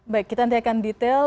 baik kita nanti akan detail